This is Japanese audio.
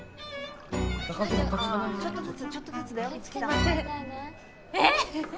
ちょっとずつちょっとずつだよ。えっ！？